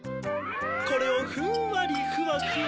これをふんわりふわふわ。